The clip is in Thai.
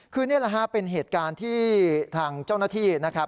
คือนี่แหละฮะเป็นเหตุการณ์ที่ทางเจ้าหน้าที่นะครับ